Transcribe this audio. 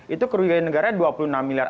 itu kerugian negara dua puluh enam miliar